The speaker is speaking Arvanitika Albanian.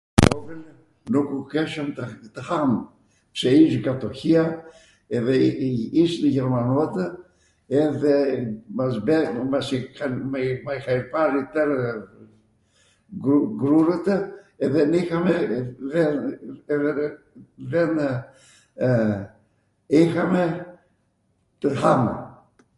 atw kohwn nukw keshwm tw ham, pse ish katohjia, edhe ishnw jermanotw, edhe μας είχαν πάρει twrw grurwtw και δεν είχαμε, δεν είχαμε tw hamw.